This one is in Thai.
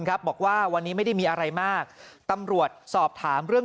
บอกว่าวันนี้ไม่ได้มีอะไรมากตำรวจสอบถามเรื่อง